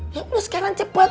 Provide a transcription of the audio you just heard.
ya lu sekarang cepet